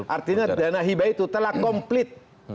artinya dana hibah itu telah komplit